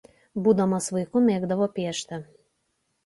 Būdamas vaiku mėgdavo piešti.